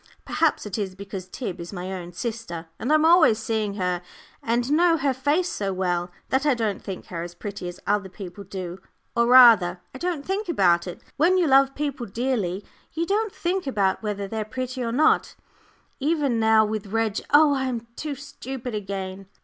Perhaps it is because Tib is my own sister, and I'm always seeing her and know her face so well, that I don't think her as pretty as other people do or rather, I don't think about it. When you love people dearly you don't think about whether they're pretty or not even now with Reg Oh! I am too stupid again.